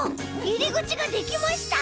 いりぐちができました！